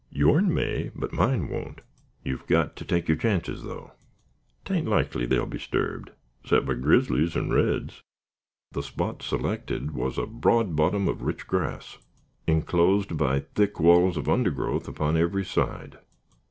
"Yourn may, but mine won't; you've got to take your chances, though. 'Tain't likely they'll be 'sturbed, 'cept by grizzlys and reds." The spot selected was a broad bottom of rich grass, inclosed by thick walls of undergrowth upon every side.